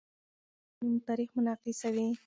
شعر د ټولنې تاریخ منعکسوي.